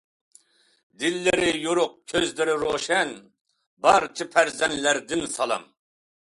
دىللىرى يورۇق، كۆزلىرى روشەن، بارچە پەرزەنتلەردىن سالام.